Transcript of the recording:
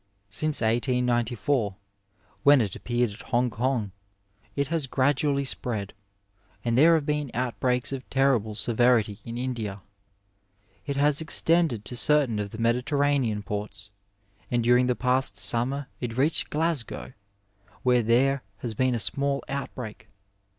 Since 18M, when it appeared at Hong Kong, it has gradually spread, and there have been outbreaks of terrible severiiy in India. It has ex tended to certain of the Mediterranean ports, and during the past summer it reached Glasgow, where there has been a small outbreak.